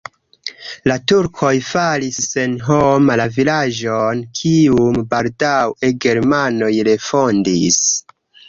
La turkoj faris senhoma la vilaĝon, kiun baldaŭe germanoj refondis.